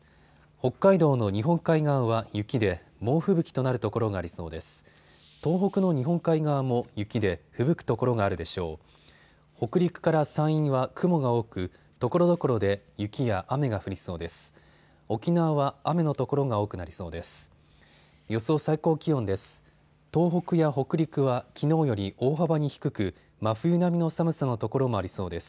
北陸から山陰は雲が多くところどころで雪や雨が降りそうです。